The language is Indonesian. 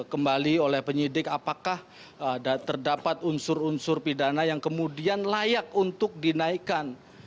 kembali oleh penyidik apakah terdapat unsur unsur pidana yang kemudian layak untuk dinaikkan